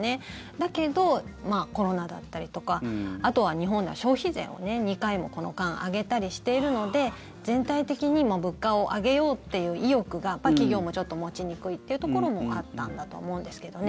だけど、コロナだったりとかあとは日本は消費税を２回もこの間、上げたりしているので全体的にも物価を上げようっていう意欲が企業もちょっと持ちにくいっていうところもあったんだとは思うんですけどね。